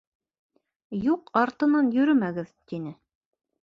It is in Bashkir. «Юҡ артынан йөрөмәгеҙ», тине.